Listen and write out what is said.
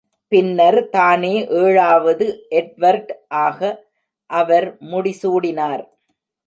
பின்னர் தானே ஏழாவது எட்வர்ட் ஆக அவர் முடிசூடினார்.